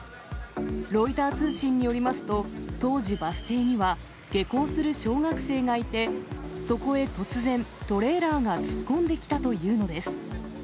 ロイター通信によりますと、当時、バス停には下校する小学生がいて、そこへ突然、トレーラーが突っ込んできたというのです。